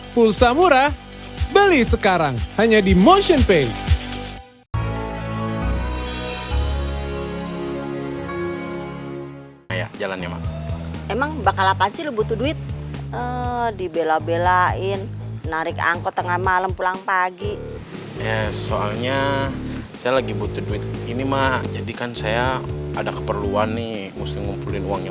pulsa murah beli sekarang hanya di motionpay